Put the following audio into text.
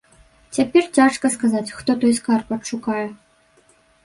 Цяпер цяжка сказаць, хто той скарб адшукае.